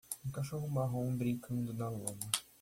Um cachorro marrom brincando na lama.